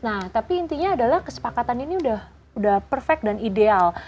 nah tapi intinya adalah kesepakatan ini udah perfect dan ideal